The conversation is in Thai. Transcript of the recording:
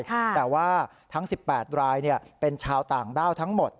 แต่ว่าทั้ง๑๘รายเป็นชาวต่างด้าวทั้งหมด